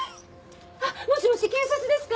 もしもし警察ですか。